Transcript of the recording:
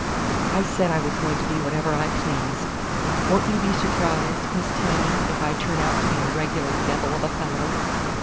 I said I was going to be whatever I pleased. "Won't you be surprised, Miss Tiny, if I turn out to be a regular devil of a fellow?"